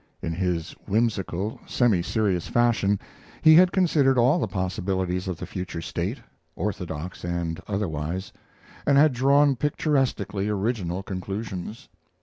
In his whimsical, semi serious fashion he had considered all the possibilities of the future state orthodox and otherwise and had drawn picturesquely original conclusions.